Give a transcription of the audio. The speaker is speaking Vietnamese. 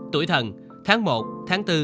tuổi thần tháng một tháng bốn